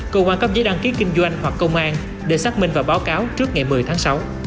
cơ quan cấp giấy đăng ký kinh doanh hoặc công an để xác minh và báo cáo trước ngày một mươi tháng sáu